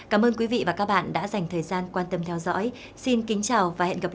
các chuyên mục sau